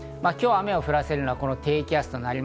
今日雨を降らせるのはこの低気圧。